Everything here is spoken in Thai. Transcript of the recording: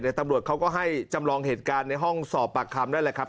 ตำรวจเขาก็ให้จำลองเหตุการณ์ในห้องสอบปากคำนั่นแหละครับ